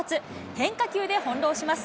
変化球で翻弄します。